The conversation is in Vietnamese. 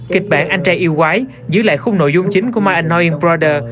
kịch bản anh trai yêu quái giữ lại khung nội dung chính của my annoying brother